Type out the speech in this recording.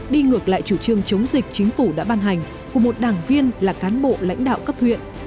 đi ngược lại chủ trương chống dịch chính phủ đã ban hành của một đảng viên là cán bộ lãnh đạo cấp huyện